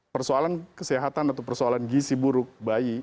persoalan kesehatan atau persoalan gisi buruk bayi